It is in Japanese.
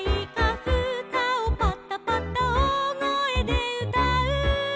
「ふたをバタバタおおごえでうたう」